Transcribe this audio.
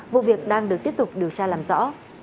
vụ việc đang được tiếp tục điều tra làm rõ